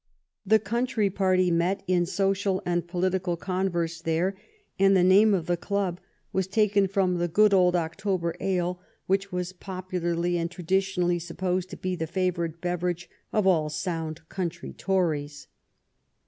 The coun try party met in social and political converse there, and the name of the club was taken from the good old 188 "THE TRIVIAL ROUND— THE COMMON TASK*' October ale which was popularly and traditionally sup posed to be the favorite beverage of all sound country Tories.